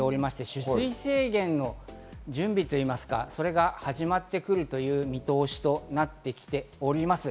取水制限の準備といいますか、それが始まってくる見通しとなってきております。